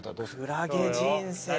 クラゲ人生か。